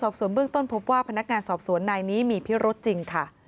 พนักงานสอบสวนในนี้มีพิโรธจริงค่ะ